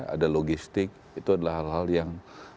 ada logistik itu adalah hal hal yang